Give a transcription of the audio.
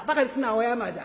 お山じゃ」。